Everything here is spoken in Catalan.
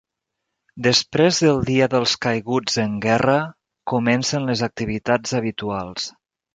Després del Dia dels caiguts en guerra, comencen les activitats habituals.